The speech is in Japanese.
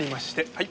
はい。